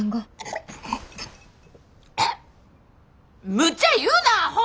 むちゃ言うなアホ！